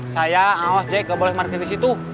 saya awas j nggak boleh market di situ